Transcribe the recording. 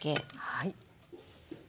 はい。